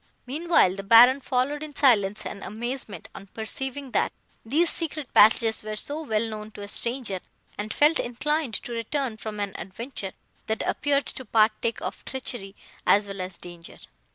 Meanwhile, the Baron followed in silence and amazement, on perceiving that these secret passages were so well known to a stranger, and felt inclined to return from an adventure that appeared to partake of treachery, as well as danger.